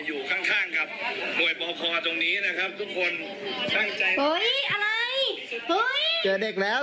อยู่ข้างกับหน่วยปลอปภาพตรงนี้นะครับ